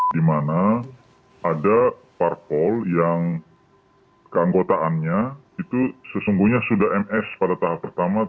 di mana ada parpol yang keanggotaannya itu sesungguhnya sudah ns pada tahap pertama